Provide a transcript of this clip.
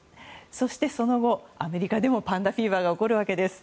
そしてその後、アメリカでもパンダフィーバーが起こるわけです。